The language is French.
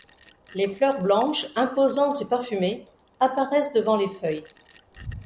Les fleurs blanches, imposantes et parfumées, apparaissent avant les feuilles.